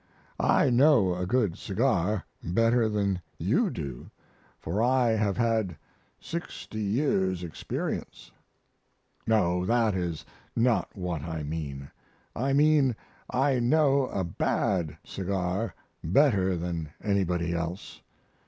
I know a good cigar better than you do, for I have had 60 years' experience. No, that is not what I mean; I mean I know a bad cigar better than anybody else.